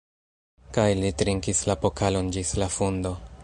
Kaj li trinkis la pokalon ĝis la fundo.